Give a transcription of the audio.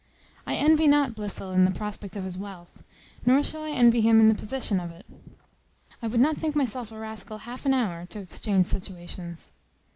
I envy not Blifil in the prospect of his wealth; nor shall I envy him in the possession of it. I would not think myself a rascal half an hour, to exchange situations.